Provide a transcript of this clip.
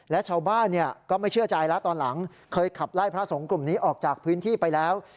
และชาวบ้านก็ไม่เชื่อใจแล้วตอนหลังเคยขับไล่พระสงฆ์กลุ่มนี้ออกจากพื้นที่ไปแล้ว